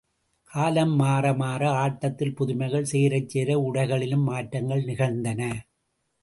காலம் மாற மாற, ஆட்டத்தில் புதுமைகள் சேரச் சேர, உடைகளிலும் மாற்றங்கள் நிகழ்ந்தன.